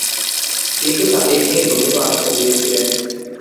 কিন্তু তাতেই তিনি প্রভূত আনন্দ পেয়েছিলেন।